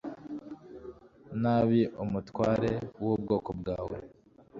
nabi umutware w ubwoko bwawe